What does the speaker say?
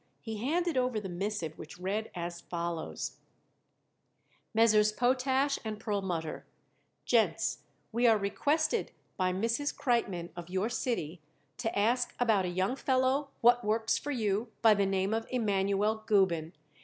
He handed over the missive, which read as follows: MESSRS. POTASH & PERLMUTTER. Gents: We are requested by Mrs. Kreitmann of your city to ask about a young fellow what works for you by the name of Emanuel Gubin.